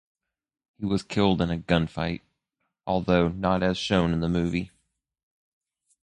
He was killed in a gunfight, although not as shown in the movie.